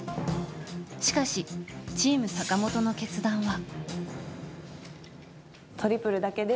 しかし、チーム坂本の決断は。